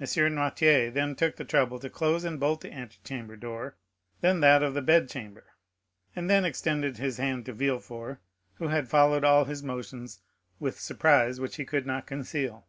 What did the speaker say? M. Noirtier then took the trouble to close and bolt the antechamber door, then that of the bedchamber, and then extended his hand to Villefort, who had followed all his motions with surprise which he could not conceal.